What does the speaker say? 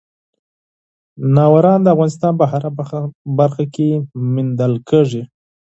تالابونه د افغانستان په هره برخه کې موندل کېږي.